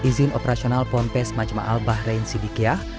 izin operasional ponpes majma'al bahrein sidikiah